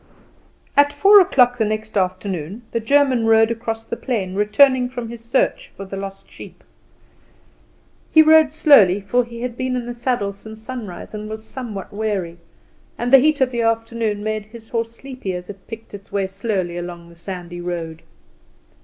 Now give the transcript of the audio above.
At four o'clock the next afternoon the German rode across the plain, returning from his search for the lost sheep. He rode slowly, for he had been in the saddle since sunrise and was somewhat weary, and the heat of the afternoon made his horse sleepy as it picked its way slowly along the sandy road.